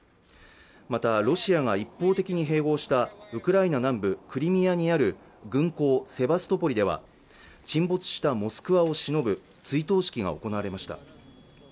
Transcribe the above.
またロシアが一方的に併合したウクライナ南部クリミアにある軍港セヴァストーポリでは沈没した「モスクワ」をしのぶ追悼式が行われました